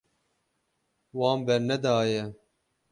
Wan bernedaye.